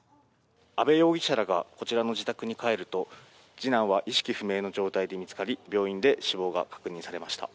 阿部容疑者らがこちらの自宅に帰ると、次男は意識不明の状態で見つかり、病院で死亡が確認されました。